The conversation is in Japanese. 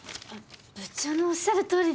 部長のおっしゃるとおりで。